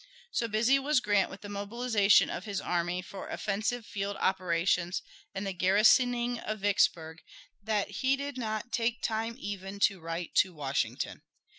So busy was Grant with the mobilization of his army for offensive field operations and the garrisoning of Vicksburg that he did not take time even to write to Washington.